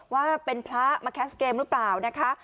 ว่าเป็นพระมาแคสเกมหรือเปล่านะคะ